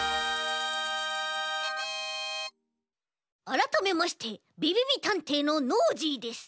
あらためましてびびびたんていのノージーです。